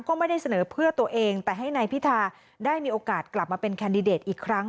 ก็ไม่ได้เสนอเพื่อตัวเองแต่ให้นายพิธาได้มีโอกาสกลับมาเป็นแคนดิเดตอีกครั้ง